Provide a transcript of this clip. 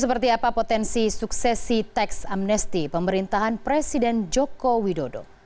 seperti apa potensi suksesi teks amnesti pemerintahan presiden joko widodo